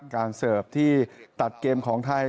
เสิร์ฟที่ตัดเกมของไทย